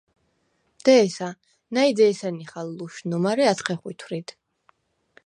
დე̄სა, ნა̈ჲ დე̄სა ნიხალ ლუშნუ, მარე ათხე ხვითვრიდ.